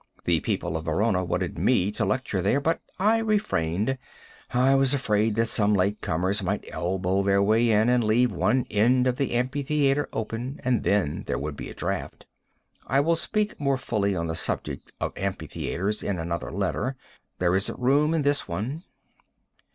The people of Verona wanted me to lecture there, but I refrained. I was afraid that some late comers might elbow their way in and leave one end of the amphitheatre open and then there would be a draft. I will speak more fully on the subject of amphitheatres in another letter. There isn't room in this one.